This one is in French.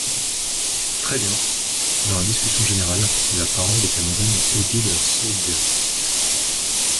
Très bien ! Dans la discussion générale, la parole est à Madame Odile Saugues.